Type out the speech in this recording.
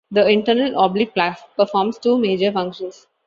The internal oblique performs two major functions.